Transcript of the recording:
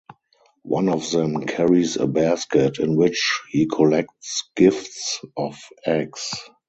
One of them carries a basket in which he collects gifts of eggs.